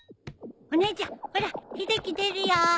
お姉ちゃんほら秀樹出るよ。